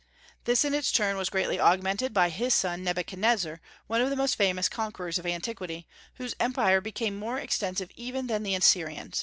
This in its turn was greatly augmented by his son Nebuchadnezzar, one of the most famous conquerors of antiquity, whose empire became more extensive even than the Assyrian.